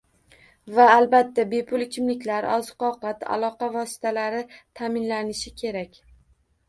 Va, albatta, bepul ichimliklar, oziq -ovqat, aloqa vositalari ta'minlanishi kerak